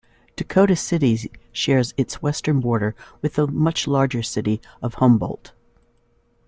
Dakota City shares its western border with the much larger city of Humboldt.